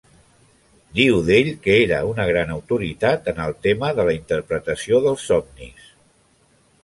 Diu d'ell que era una gran autoritat en el tema de la interpretació dels somnis.